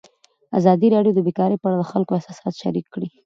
ازادي راډیو د بیکاري په اړه د خلکو احساسات شریک کړي.